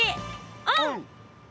オン！